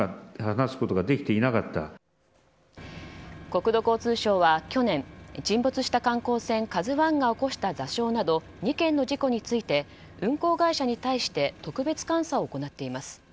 国道交通省は、去年沈没した観光船「ＫＡＺＵ１」が起こした座礁など２件の事故について運航会社に対して特別監査を行っています。